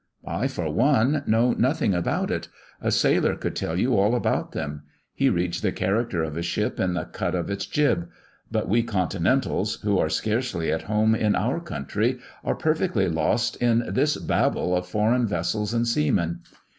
I, for one, know nothing about it. A sailor could tell you all about them; he reads the character of a ship in the cut of its jib; but we continentals, who are scarcely at home in our country, are perfectly lost in this Babel of foreign vessels and seamen.